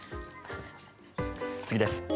次です。